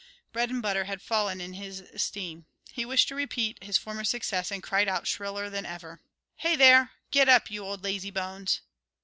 Bread and butter had fallen in his esteem. He wished to repeat his former success, and cried out shriller than ever: "Hey, there! Get up, you old lazee bones!"